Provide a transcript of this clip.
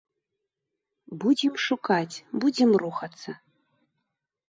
Будзем шукаць, будзем рухацца.